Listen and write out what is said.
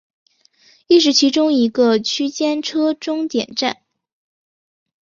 亦是其中一个区间车终点站。